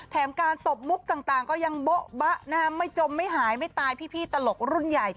แถมการตบมุบต่างต่างก็ยังเบาะบะนะฮะไม่จมไม่หายไม่ตายพี่พี่ตลกรุ่นใหญ่